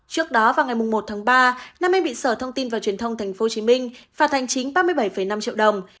trước đó vào ngày một tháng ba nam em bị sở thông tin và truyền thông tp hcm phạt hành chính ba mươi bảy năm triệu đồng